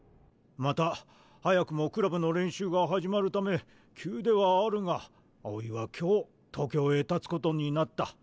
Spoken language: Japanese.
また早くもクラブの練習が始まるため急ではあるが青井は今日東京へたつことになった。